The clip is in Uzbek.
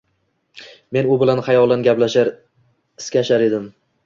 Men u bilan xayolan gaplashar, iskashar edim